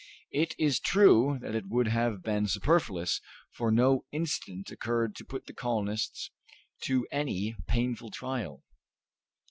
It is true that it would have been superfluous, for no incident occurred to put the colonists to any painful trial.